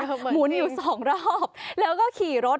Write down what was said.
หมุนอยู่สองรอบแล้วก็ขี่รถ